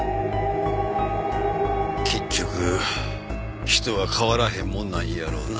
結局人は変わらへんもんなんやろうな。